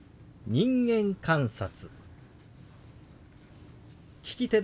「人間観察」。